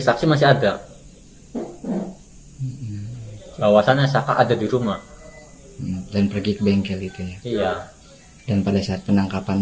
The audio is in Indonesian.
saksi masih ada bahwasannya saka ada di rumah dan pergi ke bengkel itu ya dan pada saat penangkapan